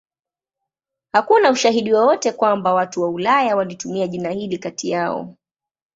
Hakuna ushahidi wowote kwamba watu wa Ulaya walitumia jina hili kati yao.